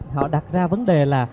họ đặt ra vấn đề là